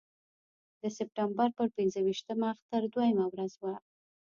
د سپټمبر پر پنځه ویشتمه اختر دویمه ورځ وه.